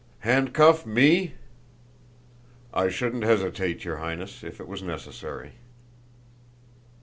"Handcuff me?" "I shouldn't hesitate, your Highness, if it was necessary."